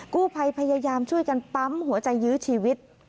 กู้ภัยพยายามช่วยกันปั๊มหัวใจยื้อชีวิต